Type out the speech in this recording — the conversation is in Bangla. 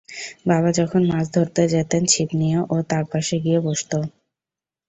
বাবা যখন মাছ ধরতে যেতেন ছিপ নিয়ে ও তাঁর পাশে গিয়ে বসত।